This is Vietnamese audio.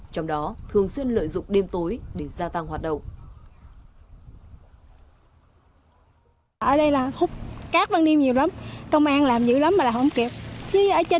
trong đó thường xuyên lợi dụng đêm tối để gia tăng